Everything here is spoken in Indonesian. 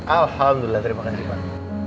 alhamdulillah terima kasih pak